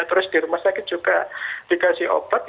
terus di rumah sakit juga dikasih obat